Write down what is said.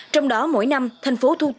trong đó mỗi năm thành phố thu